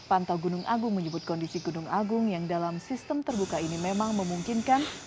pantau gunung agung menyebut kondisi gunung agung yang dalam sistem terbuka ini memang memungkinkan